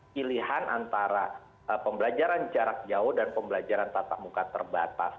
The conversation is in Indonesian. pilihan antara pembelajaran jarak jauh dan pembelajaran tatap muka terbatas